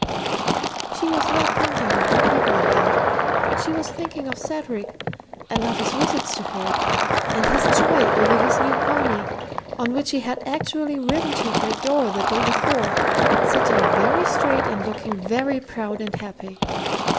She was not thinking of the people about; she was thinking of Cedric, and of his visits to her, and his joy over his new pony, on which he had actually ridden to her door the day before, sitting very straight and looking very proud and happy.